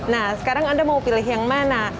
nah sekarang anda mau pilih yang mana